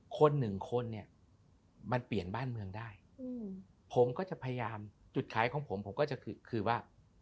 คนหนึ่งคนเนี่ยมันเปลี่ยนบ้านเมืองได้ผมก็จะพยายามจุดขายของผมผมก็จะคือว่า